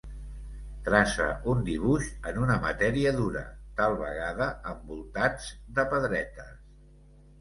Traça un dibuix en una matèria dura, tal vegada envoltats de pedretes.